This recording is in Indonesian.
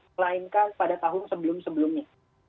melainkan pada tahun sebelum sebelumnya